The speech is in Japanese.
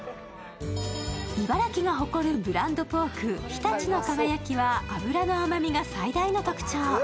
茨城が誇るブランドポーク常陸の輝きは脂の甘みが最大の特徴。